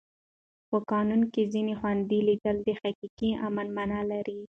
په قانون کې ځان خوندي لیدل د حقیقي امن مانا لري.